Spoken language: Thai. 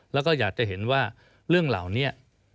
แล้วก็อยากจะเห็นว่าเรื่องเหล่านี้